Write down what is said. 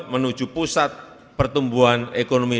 menuju pusat pertumbuhan ekonomi